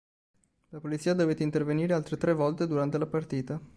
La polizia dovette intervenire altre tre volte durante la partita.